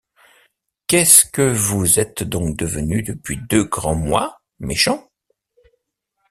Qu’est-ce que vous êtes donc devenu depuis deux grands mois, méchant?